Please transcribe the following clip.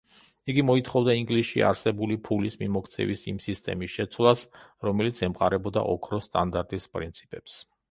იგი მოითხოვდა ინგლისში არსებული ფულის მიმოქცევის იმ სისტემის შეცვლას, რომელიც ემყარებოდა ოქროს სტანდარტის პრინციპებს.